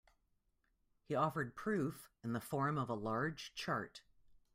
He offered proof in the form of a large chart.